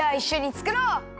つくろう！